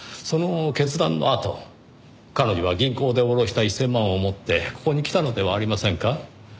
その決断のあと彼女は銀行で下ろした１０００万を持ってここに来たのではありませんか？